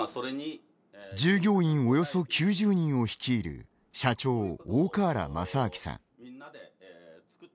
従業員、およそ９０人を率いる社長、大川原正明さん。